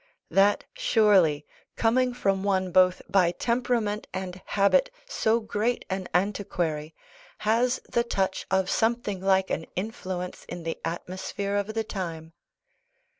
That, surely, coming from one both by temperament and habit so great an antiquary, has the touch of something like an influence in the atmosphere of the time.